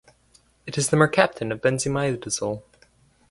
It is the mercaptan of benzimidazole.